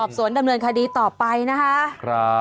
สวนดำเนินคดีต่อไปนะคะ